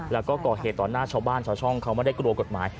แล้วก็ก่อเหตุต่อหน้าชาวบ้านชาวช่องเขาไม่ได้กลัวกฎหมาย